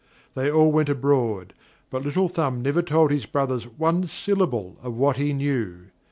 They all went abroad, but Little Thumb never told his brothers one syllable of what he knew.